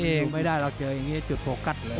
เองไม่ได้เราเจออย่างนี้จุดโฟกัสเลย